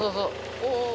お。